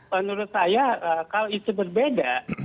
menurut saya kalau itu berbeda